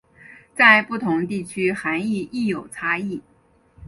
在不同地区涵义亦有差异。